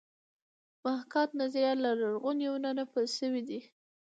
د محاکات نظریه له لرغوني یونانه پیل شوې ده